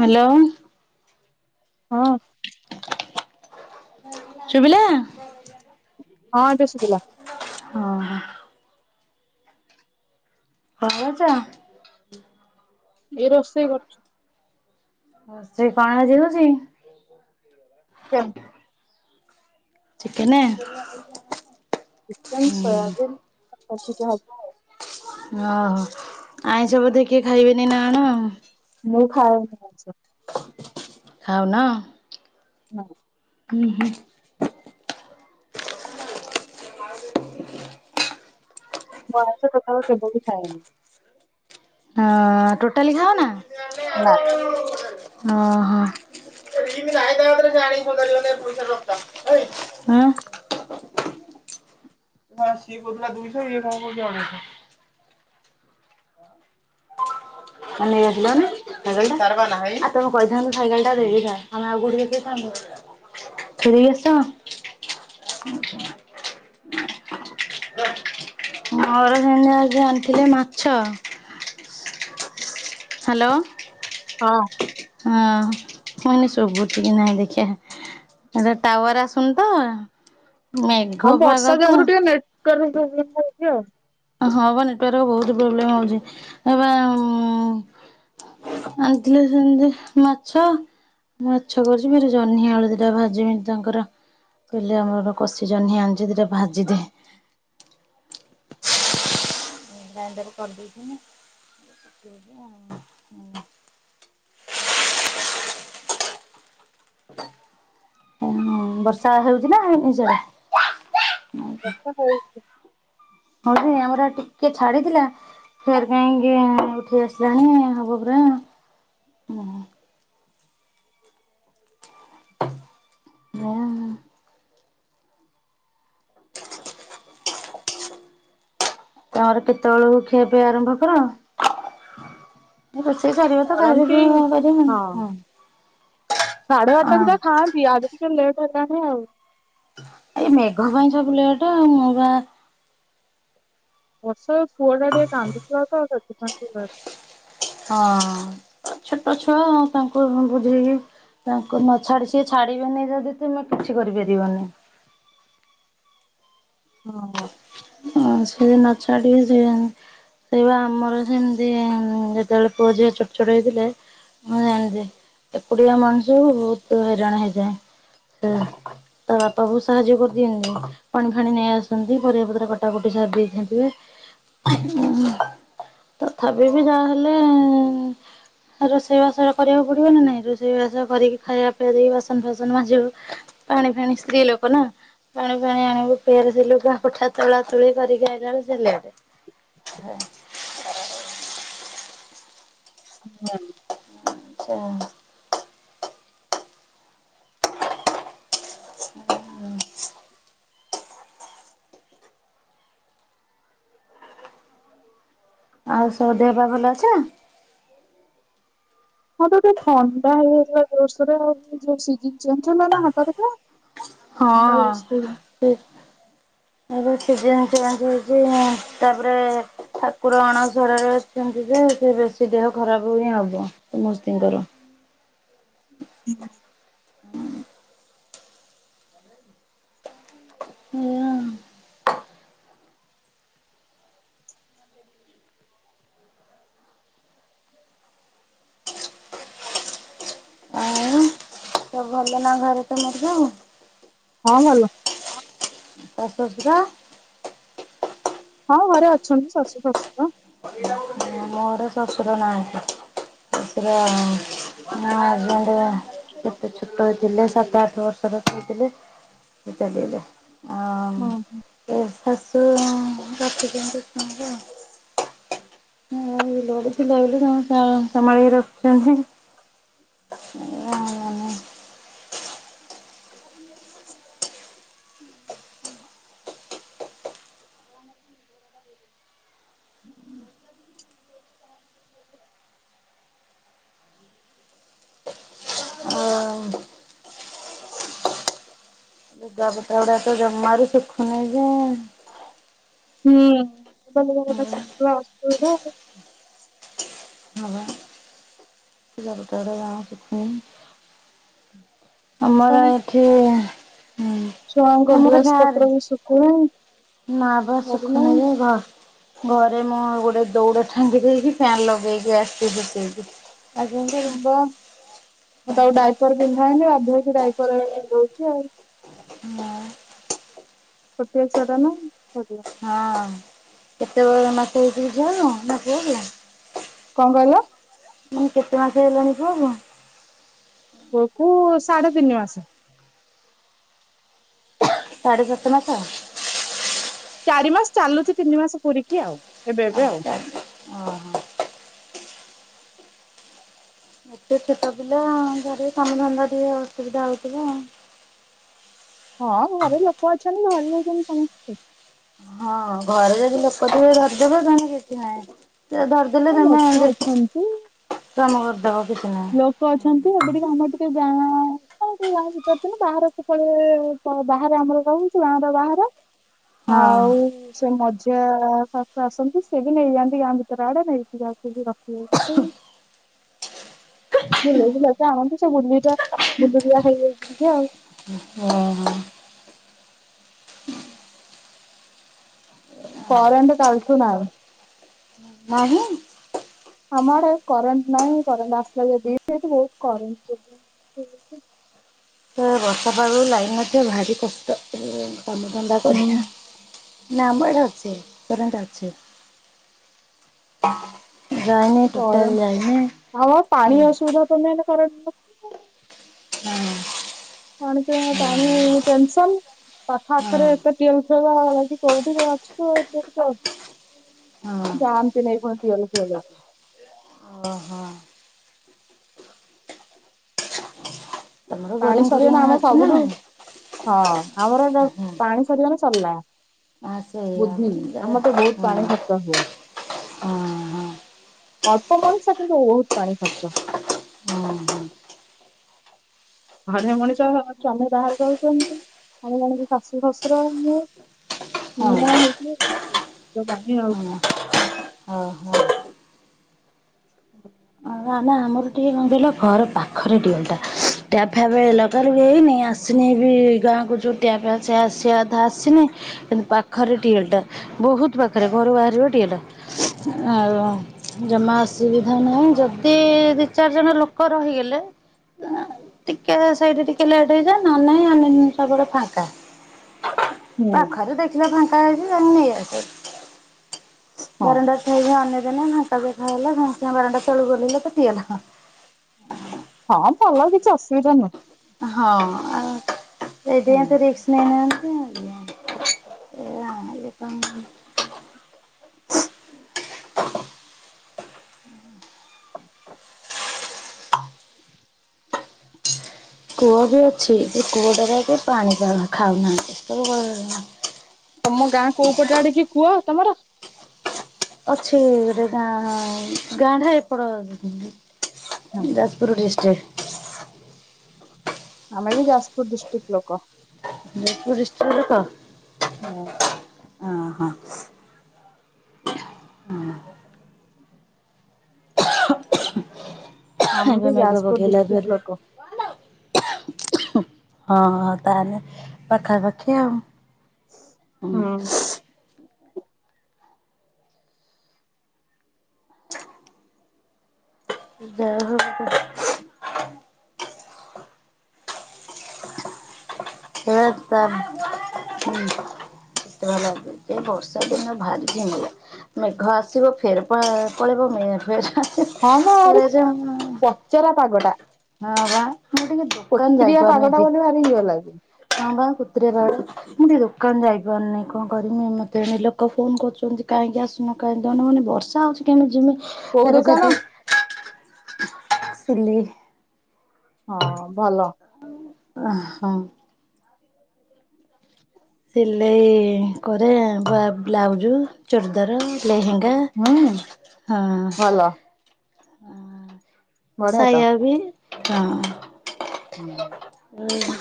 Hello. ହଁ। ଶୁବିଲା। ହଁ ଏବେ ଶୁବିଲା। ହଁ। କଣ କରୁଚ? ଏଇ ରୋଷେଇ କରୁଚି। ରୋଷେଇ କଣ ଆଜି ହଉଚି? ପୋଇ। ଚିକେନେ? ଚିକେନ୍ ସୟାବିନ୍ ଏତିକି ହବ ଆଉ। ଓହୋ ଆଇଁଷ ବୋଧେ କିଏ ଖାଇବେନି ନା ଅଣ। ମୁଁ ଖାଉନି ଆଇଁଷ। ଖାଉନ? ନାଁଇ। ହୁଁ ହୁଁ। ମୁଁ ଆଇଁଷ ଟୋଟାଲି କେବେବି ଖାଏନି। ଅଁ ଟୋଟାଲି ଖାଅନା? ନାଁ। ହଁ ହଁ। ଉଁ? ହଁ ସିଏ କୋଉଥିଲା ଦୁଇଶହ ଇଏ କଣ କୋଉଚି ଅଢ଼େଇ ଶହ। [inaudible] ଆ ନେଇ ଆସିଲନି। ସାଇକଲ୍ ଟା ତାରପା ନାହିଁ ଆ ତମେ କହିଥାନ୍ତ ସାଇକେଲ ଟା ଦେଇଦେଥାନ୍ତେ ଆମେ ଆଉ କୋଉଠିକି ଦେଖେଇଥାନ୍ତୁ। ଥୋଇ ଆସ। [unintelligible] ମର ସେମିତି ଆଜି ଆଣିଥିଲେ ମାଛ ହ୍ୟାଲୋ। ହଁ। ହଁ ଫୁନି ଶୁଭୁଚି କି ନାହିଁ ଦେଖିବା? ଏଥିରେ ଟାୱାର ଆସୁନି ତ। ମେଘ ହଁ ପାଗ ବର୍ଷା ତ ଯାଗୁରୁ ଟିକେ ନେଟୱର୍କ ପ୍ରୋବଲେମ୍ ହଉଚି ଆଉ। ହଁ ବା ନେଟୱାର୍କ ବହୁତ ପ୍ରୋବ୍ଲେମ୍ ହଉଚି ଏବା ଉଁ ଆଣିଥିଲେ ସେମତି ମାଛ ମୁଁ ମାଛ କରୁଚି ଫେରେ ଜହ୍ନି ଆଳୁ ଦି ଟା ଭାଜିବି ତାଙ୍କର। କହିଲେ ଆମର କଷି ଜହ୍ନି ଆଣିଚି ଦିଟା ଭାଜିଦେ? [unintelligible] ହଁ ବର୍ଷା ହଉଛି ନା ନିଜର? ବର୍ଷା ହଉଚି। ହଁ ଯେ ଆମର ଟିକେ ଛାଡିଥିଲା ଫେରେ କାଇଁକି ଉଠେଇ ଆସିଲାଣି ହବ ପୁରା ହଁ। [unintelligible] ତମର କେତେବେଳକୁ ଖିଆ ପିଆ ଆରମ୍ଭ କର? ରୋଷେଇ ସରିବ ତ ଖାଇବା କରନ୍ତି ପିଇବା [unintelligible] ହଁ। ସାଢେ ଆଠଟା ଯା ଖାଆନ୍ତି ଆଜି ଟିକେ ଲେଟ୍ ହେଲାଣି ଆଉ। ଏଇ ମେଘ ପାଇଁ ସବୁ ଲେଟ୍ ଆଉ ମୁଁ ବା ବର୍ଷକ ପୁଅ ଟା ଟିକେ କାନ୍ଦୁଥିଲା ତ ସେଥିପାଇଁ ଟି ଲେଟ୍ ହଁ, ଛୋଟ ଛୁଆ ଆଉ ତାଙ୍କୁ ବୁଝେଇକି ତାଙ୍କୁ ନ ଛାଡି ସିଏ ଛାଡିବେନି ଯଦି ତୁମେ କିଛି କରିପାରିବନି। ହଁ ବା। ହଁ ସେ ଯଦି ନ ଛାଡ଼ିବେ ସେୟା ସେଇ ବା ଆମର ସେମିତି ଯେତେବେଳେ ପୁଅ ଝିଅ ଛୋଟ ଛୋଟ ହେଇଥିଲେ ମୁଁ ଜାଣିଛି ଏପୁଡିଆ ମଣିଷକୁ ବହୁତ ହଇରାଣ ହେଇଜାଏ। ତା ବାପା ବହୁତ୍ ସାହାଯ୍ୟ କରିଦିଅନ୍ତି ପାଣି ଫାଣି ନେଇ ଆସନ୍ତି ପରିବା ପତ୍ର କଟାକଟି ସାରି ଦେଇଥା ଥିବେ। ତଥାପି ବି ଯାହାହଲେ ରୋଷେଇବାସ ଟା କରିବାକୁ ପଡିବ ନା ନାଇଁ ରୋଷେଇବାସ କରିକି ଖାଇବା ପିଆ ଦେଇ ବାସନ ଫାସନ ମାଜିବ। ପାଣି ଫାଣି ସ୍ତ୍ରୀ ଲୋକ ନା ପାଣି ଫାଣି ଆଣିବ ଫେର୍ ସେ ଲୁଗା ପଟା ତୋଳା ତୁଳି କରିକି ଆଇଲା ବେଳକୁ ସେ ଲେଟ୍ [unintelligible] କୁଅ। ଆଉ ସବୁ ଦେହ ପା ଭଲ ଅଛି ନା? ହଁ ତ ଟିକେ ଥଣ୍ଡା ହେଇଯାଇଥିଲା ଜୋରସରରେ ଆଉ ଯ [unintelligible] ହଁ ସେ [unintelligible] ତାପରେ ଠାକୁର ଅଣସଡରେ ଅଛନ୍ତି ଯେ ସେ ବେଶୀ ଦେହ ଖରାପ ହିଁ ହବ ସମସ୍ତିଙ୍କର। ହୁଁ ହୁଁ [unintelligible] ତ ଭଲ ନା ଘରେ ତ ନଥିଆକୁ ହଁ ଭଲ। ଆଉ ଶଶୁର? ହଁ ଘରେ ଅଛନ୍ତି ଶଶୁ ଶଶୁର। ମୋର ସଶୁର ନାଁହନ୍ତି। ଶଶୁର ଆ ହଯବେଣ୍ଟ କେତେ ଛୋଟ ହେଇଥିଲେ ସାତ ଆଠ ବର୍ଷର ହେଇଥିଲେ ସେ ଚାଲିଗଲେ। ଆଉ ହଁ। ମୋ ଶାଶୁ। [unintelligible] ହଁ ବିଲ ବାଡ଼ି ଥିଲା ବୋଲି ତମ ଶାଲ ସମ୍ଭଳିକି ରଖିଛନ୍ତି। [unintelligible] ଆଉ ଲୁଗାପଟା ଗୁଡା ତ ଜମାରୁ ଶୁଖୁନି ଯେ ହୁଁ ଏବେ ଲୁଗାପଟା ବା ସୁଖୀବା ଅସୁବିଧା ଆଉ। [unintelligible] ଆମର ଆଉ। ଏଠି ହୁଁ ଛୁଆଙ୍କ ଡ୍ରେସ୍ ପତ୍ର ବି ଶୁଖନେଇ। ନାବା ଶୁଖୁନି ଯେ ଘର୍ ଘର୍ ଆରେ ମୁଁ ଗୋଟେ ଦୌଉଡ଼ା ଟାଙ୍ଗି ଦେଇକି ଫ୍ୟାନ୍ ଲଗେଇକି ଆସିିଥିଲି। [unintelligible] ବା ମୁଁ ତାକୁ ଡାଇପର ପିନ୍ଧାଏନି ବାଧହେଇକି ଡାଇପର ପିନ୍ଧାଉଛି ଆଉ। ହଁ। ଛୋଟିଆ ଛୁଆ ଟା ନା [unintelligible] ହଁ କେତେବେଳେ ମାସ ହେଇଛି କି ଝିଅ ତୋ ପୁଅକୁ? କଣ କହିଲ। ମୁଁ କେତେ ମାସ ହେଲାଣି ପୁଅ କୁ? ପୁଅକୁ ସାଢେ ତିନି ମାସ। ସାଢେ ସାତ ମାସ। ଚାରି ମାସ ଚାଲୁଚି ତିନି ମାସ ପୁରୀକି ଆଉ ଏବେ ଏବେ ଆଉ। ଓ ହୋ। ଏତେ ଛୋଟ ପିଲା ଘରେ କମ ଧନ୍ଧା ଟିକେ ଅସୁବିଧା ହଉଥିବ। ହଁ ଘରେ ଲୋକ ଅଛନ୍ତି ଘରେ ଧରିନୌଚନ୍ତି ସମସ୍ତେ। ହଁ ଘରେ ଯଦି ଲୋକ ଧରିଦେବେ ତାହେଲେ କିଛି ନାହିଁ। ସେ ହଁ ଧରିଦେଲେ ତମେ ଲୋକ ଅଛନ୍ତି କାମ କରିଦବ କିଛି ନାହିଁ। ଲୋକ ଅଛନ୍ତି ଏବେ ଟିକେ ଆମର ଟିକେ ଯାଁ [unintelligible] ହଁ ଆଉ ସେ ମଝିଆ ଶାଶୁ ଆସନ୍ତି ସେ ବି ନେଇଯାଆନ୍ତି ଗାଁ ଭିତର ଆଡେ ନେଇକି ଯାକୁ ରଖି ବୁଲେଇ ବୁଲକି ଆଣନ୍ତି ସେ ବୁଲୁଆ ବୁଲୁରିଆ ହେଇଯାଇଚନ୍ତି ଆଉ। ଓହ୍ ହୋ। କରେଣ୍ଟ କଲିଠୁ ନାହିଁ। ନାଁହିଁ। ଆମ ଆଡେ କରେଣ୍ଟ ନାହିଁ କରେଣ୍ଟ ଆସିଲା ଦିଟା ବହୁତ କରେଣ୍ଟ ତ ବର୍ଷା ପାଗକୁ ଲାଇନ ନଥିବା କୁ ଭାରି କଷ୍ଟ କାମଧନ୍ଦା କରିବା ହୁଁ ନା ଆମାଡେ ଅଛି କରେଣ୍ଟ ଅଛି। [unintelligible] ଯାଇନି ଟୋଟାଲ ଯାଇନି। ହଁ [unintelligible] [unintelligible] କଣ କିଲୋ ପାଣି ଟେନେଶନ। ହଁ ହଁ [unintelligible] ହଁ [unintelligible] ଓହୋ। ତମର ପାଣି ବୋରିଂ ସରିବା ଫୋରିଂ ନା ଆମର ଅଛି ସବୁଠୁ ନାହିଁ? ହଁ ଆମର ଏ ପାଣି ସରିଗଲେ ସରିଲା। ହଁ ସେଇଆ ହଁ ବୁଦ୍ଧି ଆମ ବହୁତ ହଁ ପାଣି ଖର୍ଚ୍ଚ ହୁଏ। ଅଳ୍ପ ମଣିଷ କିନ୍ତୁ ବହୁତ ପାଣି ଖର୍ଚ୍ଚ। ହୁଁ ହୁଁ। ଘରେ ମଣିଷ ସ୍ଵମୀ ବାହାରେ ଯାଉଛନ୍ତି ଆମେ ଜାଣିକି ଶାଶୁ ଶଶୁର ମୁ। ହଁ [unintelligible] ଓଁ ହୋ ଓ। [unintelligible] ନା ନା ଆମର ଟିକେ କଣ କହିଲା ଘର ପାଖରେ ଟ୍ୟାପ ଟା ଟ୍ୟାପ ଫ୍ୟପ। ଏବେ ଲଗା ଲାଗି ହେଇନି ଆସିନି ବି ଗାଁକୁ ଟିଆପ୍ ଆସେ ଆସିବା କଥା ଆସିନି। ପାଖରେ ଟିଏଲ ଟା ବହୁତ ପାଖରେ ଘରୁ ବାହାରିବ ଟିଏଲ ଟା ଆଉ ଜମା ଅସୁବିଧା ନାହିଁ। ଯ ଦି ଚାରି ଜଣ ଲୋକ ରହିଗଲେ ଟିକେ ସେଇ ଟିକେ ଲେଟ ହେଇଯାଏ ନହେଲେ ନାଇଁ ଆମେ ସବୁବେଳେ ଫାଙ୍କା ହୁଁ ପାଖରେ ଦେଖ ଝିଅ ଫାଙ୍କା ହେଇଛି ନେଇ ଆସ ହଁ ବାରଣ୍ଡା ସେଇ ଯେ। ଉ ଅନ୍ୟ ଦିନେ [unintelligible] ବାରଣ୍ଡା ଳୁ ଓଲ୍ପେଇଲେକ। ଟିଓଲ। ହଁ ଭଲ କିଛି ଅସୁବିଧା ନୁହଁ। ହଁ ଆଉ ହୁଁ ସେଇଥିପାଇଁ ତ ରିକସ ନେଇନାହାନ୍ତି ଆଉ। ହଁ ହ। କୂଅ ବି ଅଛି ଏ କୂଅ ଟା କେହିପାଣି ଖାଉନାହିଁ [unintelligible] ତମ ଗାଁ କୋଉ ପଟେ ଆଡି କି କୁ ଅ ତମର? ଅଛି ରେ ଗାଁ ଟା ହେପଟ ଯାଜପୁର ଡିଷ୍ଟ୍। ଆମେ ବି ଯାଜପୁର ଡିଷ୍ଟିକ୍ ଲୋକ। ଯାଜପୁର ଡ଼ିଷ୍ଟିର ଲୋକ। ହୁଁ ଆମ ଏବେ ବି ମେଘ ଯାଜପୁର ପକେଇଲା ଜୋରେ। ଡିଷ୍ଟିକ ଲୋକ। ହଁ ହଁ ତାହେଲେ ପାଖାପାଖି ଆଉ। ହୁଁ। ଯହା ଯୋଉ [inaudible] ଗାଁ ଲାଗୁଚି ଏ ବର୍ଷା ଦିନ ଭାରି ଝିମିଲା। ମେଘ ଆସିବ ଫେରେ ପ ପଳେଇବ ମ [unintelligible] ହଁ ବା ଭାରି ପଚରା ପାଗଟା। ବା ମୁଁ ଟିକେ ଦୋକାନ କୋତ୍ରିୟା ଯାଇପାରୁନି ପାଗ ଟା ଦି ବୋଲି ଭାରି ଇଏ ଲାଗ ହଁ ବା କୋତ୍ରିଆ ପାଗଟା। ମୁଁ ଟିକେ ଦୋକାନ ଯାଇପାରୁନି କଣ କରିମି ମତେ ଏଣେ ଲୋକ ଫୋନ କରୁଛନ୍ତି କାହିଁକି ଆସୁନ। କାଇଁ ଦାଉନ ମୁଁ କହିନି ବର୍ଷା ହୋଉଚି କିମିତି ତିମି କୋଉ ଫେରେ ଦୋକାନ ସେଠି ସିଲେଇ। ହଁ ଭଲ। ଅ ହଁ। ସିଲେଇ କରେ ବା ବ୍ଲାଉଜ ଚୁରଦାର ଲେହେଙ୍ଗା ହୁଁ ହଁ ଭଲ ବଢିଆ ତ। ସାୟା ବି। ହୁଁ।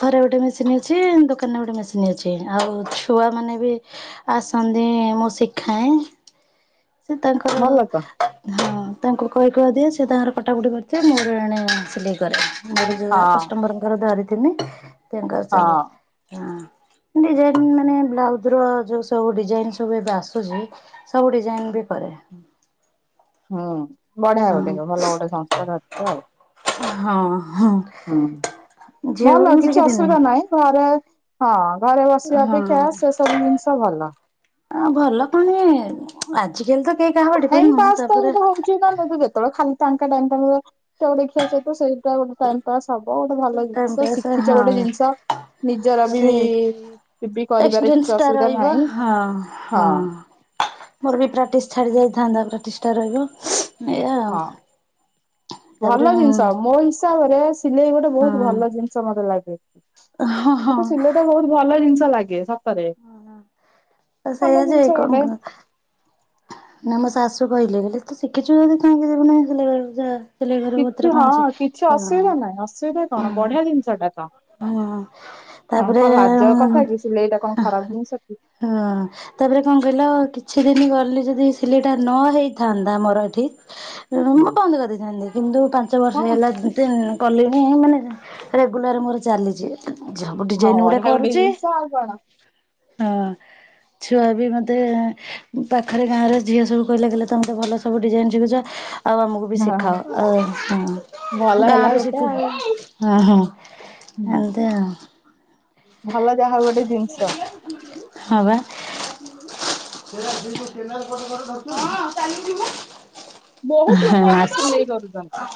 ଘରେ ଗୋଟେ ମେସିନ୍ ଅଛି ଦୋକାନରେ ଗୋଟେ ମେସିନ୍ ଅଛି ଆଉ ଛୁଆ ମାନେ ବି ଆସନ୍ତି ମୁଁ ଶିଖାଏଁ ସେ ତାଙ୍କର ଭଲ ତ ହଁ ତାଙ୍କୁ କହି କୁହା ଦିଏ ସେ ତାଙ୍କର କଟାକଟି କରିଥିବେ ମୋରଏଣେ ସିଲେଇ କରେ। ମୋର ଯୋଗା ହଁ କଷ୍ଟମରଙ୍କର ଧରିଥିନି ତାଙ୍କର ସବୁ ହଁ ହଁ ଡିଜାଇନ ମାନେ ବ୍ଲାଉଜ ର ଯୋଉ ସବୁ ଡିଜାଇନ ସବୁ ଏବେ ଆସୁଚି ସବୁ ଡିଜାଇନ ବି କରେ। ହୁଁ ବଢିଆ ଗୋଟେ ହଁ ଭଲ ଗୋଟେ ସଂସ୍ଥା ତ ଅଛି ଆଉ। ହଁ ହଁ। ହୁଁ ଝିଅ ଭଲ ବେଳକୁ କିଛି ଶିଖିଥିନି ଅସୁବିଧା ଘରେ ହଁ ଘରେ ବସିବା ହଁ। ଅପେଖ୍ୟା ସେ ସବୁ ଜିନିଷ ଭଲ। ଆ ଭଲ ପୁଣି ଆଜିକାଲି ତ କେହି କାହା ଉପରେ ଡିପେଣ୍ଡେ ନୁହଁ। ତାପରେ ସି କଣ ଯଦି ଯେତେବେଳେ ଖାଲି ଫାଙ୍କା ଟାଇମ୍ ଟା ରୁହେ ଛୁଆକୁ ଦେଖିବା ସହିତ ସେଇ ତ ଗୋଟେ ଟାଇମ୍ ପାସ୍ ହବ ଗୋଟେ ଭଲ ଟାଇମ୍ ଜିନିଷ ପାସ୍ ଶିଖିଛ ଗୋଟେ ହଁ ଜିନିଷ ନିଜର ସେ ବିବି ପିବି କରିବାରେ ଏକ୍ସପିରିଏନ୍ସ କିଛି ଟା ଅସୁବିଧା ରହିବ ନାହିଁ ହଁ ହଁ। ମୋର ବି ପ୍ରାକ୍ଟିସ ଛାଡି ଯାଇଥାନ୍ତା ପ୍ରାକ୍ଟିସ ଟା ରହିବ। ଏଇଆ ଆଉ। ହଁ ତାପରେ ଭଲ ଜିନିଷ ହଁ ମୋ ହିସାବରେ ସିଲେଇ ଗୋଟେ ବୋହୁତ ଭଲ ଜିନିଷ ମତେ ଲାଗେ ହଁ ହଁ ମତେ ସିଲେଇ ମତେ ବୋହୁତ ଭଲ ଜିନିଷ ଲାଗେ ସତରେ ସେଇଆ ଭଲ ଯେ ଜିନିଷ କଣ ଗୋଟେ। ନା ମୋ ଶାଶୁ କହିଲେ ତୁ ଶିଖିଛୁ ଯଦି କାହିଁକି ଯିବୁନି ସିଲେଇ କରିବାକୁ ଯା। ସିଲେଇ କରିବୁ କିଛି ଏଥିରେ କଣ ଅଛି ହଁ କିଛି ଅଁ ଅସୁବିଧା ନାହିଁ ଅସୁବିଧା କଣ ବଢିଆ ଜିନିଷ ଟା ତ ହଁ ହଁ ତାପରେ କଣ ଲାଜ ହଁ କଥା କି ସିଲେଇଟା କଣ ଖରାପ ଜିନିଷ କି ତାପରେ କଣ କହିଲ କିଛି ଦିନ ଗଲି ଯଦି ଦି ସିଲେଇ ଟା ନ ହେଇଥାନ୍ତା ମୋର ଏଠି ତେଣୁ ହଁ ମୁଁ ବନ୍ଦ କରିଦେଇଥାନ୍ତି କିନ୍ତୁ ପାଞ୍ଚ ବର୍ଷ ହଁ ହେଲା [unintelligible] କଲିଣି ମାନେ ରେଗୁଲାର ମୋର ଚାଲିଛି। [unintelligible] ଝବୁ ହଁ ଡିଜାଇନ ଉଡ଼ା ବଢିଆ ଗୋଟେ କରୁଛି। ଜିନିଷ ଆଉ କଣ ହଁ ଛୁଆ ବି ମତେ ଉଁ ପାଖ ରେ ଗାଁରେ ଝିଅ ସବୁ କହିଲେ କହିଲେ ତମତେ ଭଲ ସବୁ ଡିଜାଇନ୍ ଶିଖୁଛ। ଆଉ ଆମକୁ ବି ହଁ ଶିଖାଅ ଅ ହଁ ମୁଁ ଭଲ ହେଲା [unintelligible] ଗୋଟେ ଶିଖୁଛି। ଆଉ। ହଁ ହଁ ହୁଁ, ଏମିତି ଆଉ। ଭଲ ଯାହା ହୋଉ ଗୋଟେ ଜିନିଷ। ହଁ ବା। [unintelligible] ବୋହୁତ୍ ଲୋକ ଏବେ ନାଚ ସିଲେଇ କରୁଛନ୍ତି।